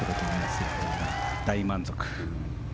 大満足。